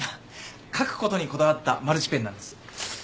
書くことにこだわったマルチペンなんです。